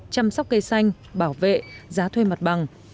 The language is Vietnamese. chăm sóc cây xanh bảo vệ giá thuê mặt bằng